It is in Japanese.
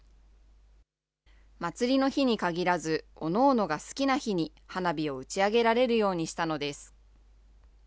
祭りの日に限らず、おのおのが好きな日に花火を打ち上げられるようにしたのです。